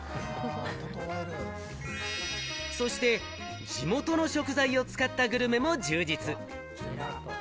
そして、地元の食材を使ったグルメも充実。